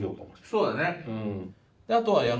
そうだね。